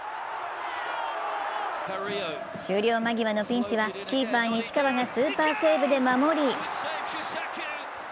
終了間際のピンチはキーパー・西川がスーパーセーブで守り